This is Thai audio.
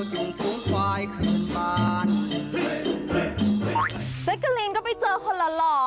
เจ๊กรีนก็ไปเจอคนหล่อ